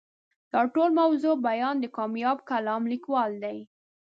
دا ټول موضوعي بیان د کامیاب کالم لیکوال دی.